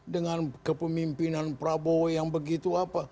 dengan kepemimpinan prabowo yang begitu apa